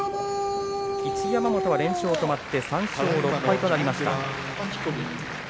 一山本は連勝止まって３勝６敗となりました。